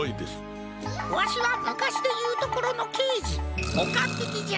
わしはむかしでいうところのけいじおかっぴきじゃ！